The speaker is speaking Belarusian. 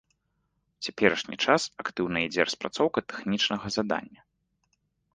У цяперашні час актыўна ідзе распрацоўка тэхнічнага задання.